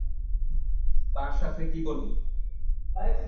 তার সাথে কী করবো?